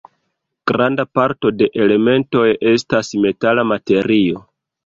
Granda parto de elementoj estas metala materio.